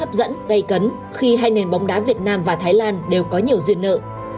trận chung kết rất hấp dẫn gây cấn khi hai nền bóng đá việt nam và thái lan đều có nhiều duyên nợ